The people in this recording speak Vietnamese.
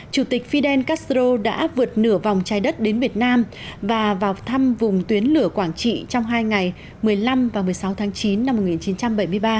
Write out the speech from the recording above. chủ tịch fidel castro đã vượt nửa vòng trái đất đến việt nam và vào thăm vùng tuyến lửa quảng trị trong hai ngày một mươi năm và một mươi sáu tháng chín năm một nghìn chín trăm bảy mươi ba